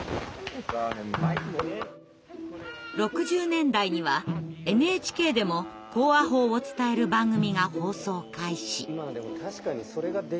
６０年代にはＮＨＫでも口話法を伝える番組が放送開始。